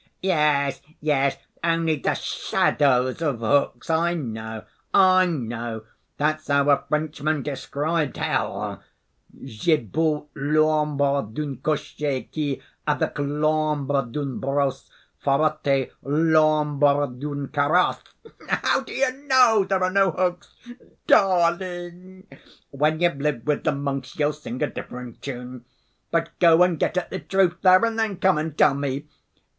"Yes, yes, only the shadows of hooks, I know, I know. That's how a Frenchman described hell: 'J'ai vu l'ombre d'un cocher qui avec l'ombre d'une brosse frottait l'ombre d'une carrosse.' How do you know there are no hooks, darling? When you've lived with the monks you'll sing a different tune. But go and get at the truth there, and then come and tell me.